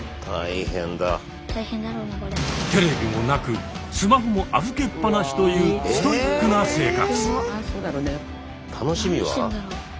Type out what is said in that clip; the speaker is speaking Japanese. テレビもなくスマホも預けっぱなしというストイックな生活。